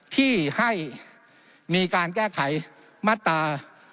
ที่ให้มีการแก้ไขมาตรา